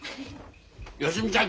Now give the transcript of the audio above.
芳美ちゃん